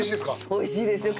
おいしいですよ。